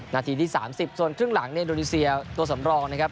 นาทีที่๓๐ส่วนครึ่งหลังเนโรนีเซียและสำรองนะครับ